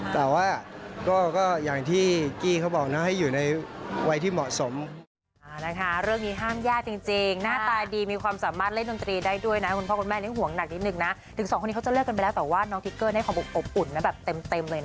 แต่ว่าก็อย่างที่กี้เขาบอกนะให้อยู่ในวัยที่เหมาะสม